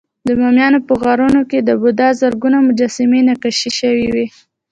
د بامیانو په غارونو کې د بودا زرګونه مجسمې نقاشي شوې وې